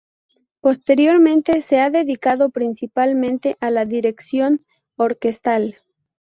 Posteriormente se ha dedicado principalmente a la dirección orquestal.